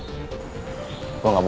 gue gak peduli